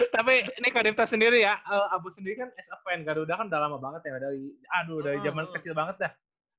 tapi ini kak devta sendiri ya abu sendiri kan as a fan gaduda kan udah lama banget ya dari jaman kecil banget dah